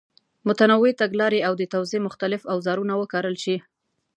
متنوع تګلارې او د توضیح مختلف اوزارونه وکارول شي.